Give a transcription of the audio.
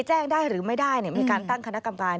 แจ้งได้หรือไม่ได้มีการตั้งคณะกรรมการ